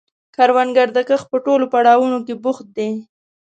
کروندګر د کښت په ټولو پړاوونو کې بوخت دی